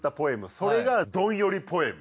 それがどんよりポエム。